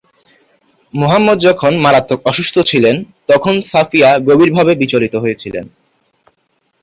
মুহাম্মাদ যখন মারাত্মক অসুস্থ ছিলেন, তখন সাফিয়া গভীরভাবে বিচলিত হয়েছিলেন।